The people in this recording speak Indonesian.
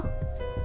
dia model juga